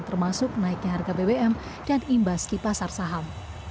termasuk naiknya harga bbm dan imbas di pasar saham